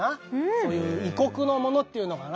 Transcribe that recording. そういう異国のものっていうのかな。